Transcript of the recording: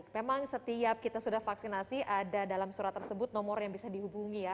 memang setiap kita sudah vaksinasi ada dalam surat tersebut nomor yang bisa dihubungi ya